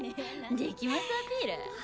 できますアピール？